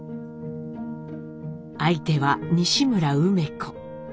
相手は西村梅子。